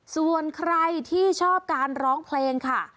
ส่วนใครที่ชอบการร้องเพลงค่ะ